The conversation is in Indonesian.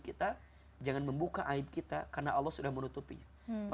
kita jangan membuka aib kita karena allah sudah menutupinya makanya karena dia sudah selesai dan